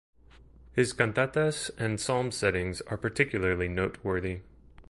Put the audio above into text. His cantatas and psalms settings are particularly noteworthy.